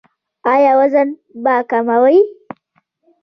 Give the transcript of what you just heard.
ایا وزن به کموئ؟